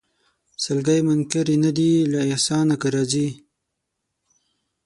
سلګۍ منکري نه دي له احسانه که راځې